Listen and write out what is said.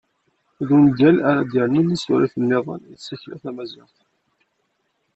D ungal ara d-yernun asurif-nniḍen i tsekla tamaziɣt.